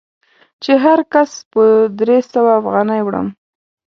چې هر کس په درې سوه افغانۍ وړم.